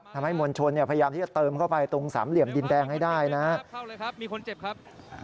ทำให้มวลชนพยายามที่จะเติมเข้าไปตรงสามเหลี่ยมดินแดงให้ได้นะครับ